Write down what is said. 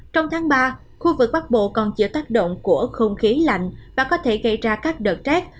trong tháng ba khu vực bắc bộ còn chịu tác động của không khí lạnh và có thể gây ra các đợt rét